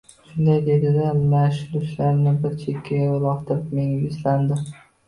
Shunday dedi-da, lash-lushlarini bir chekkaga uloqtirib menga yuzlandi.